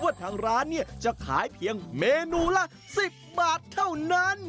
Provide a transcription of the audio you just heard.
ว่าทางร้านจะขายเพียงเมนูละ๑๐บาทเท่านั้น